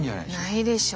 ないでしょう。